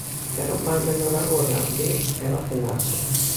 Pero o mal menor agora, di, é vacinarse.